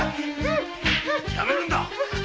やめるんだ！